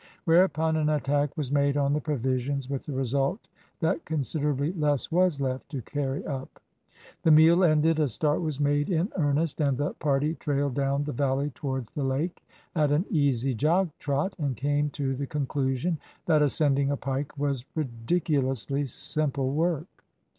Whereupon an attack was made on the provisions, with the result that considerably less was left to carry up. The meal ended, a start was made in earnest, and the party trailed down the valley towards the lake at an easy jog trot, and came to the conclusion that ascending a pike was ridiculously simple work.